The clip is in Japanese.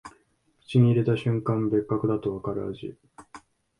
口に入れた瞬間、別格だとわかる味